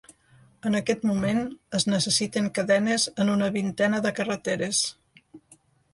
En aquest moment, es necessiten cadenes en una vintena de carreteres.